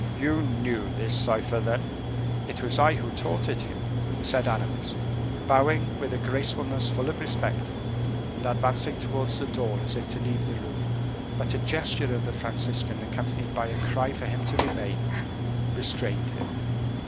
"You knew this cipher, then?" "It was I who taught it him," said Aramis, bowing with a gracefulness full of respect, and advancing towards the door as if to leave the room: but a gesture of the Franciscan accompanied by a cry for him to remain, restrained him.